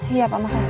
iya pak makasih